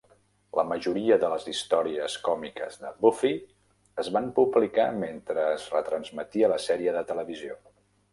La majoria de les històries còmiques de Buffy es van publicar mentre es retransmetia la sèrie de televisió.